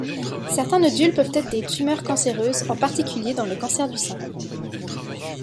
Certains nodules peuvent être des tumeurs cancéreuses, en particulier dans le cancer du sein.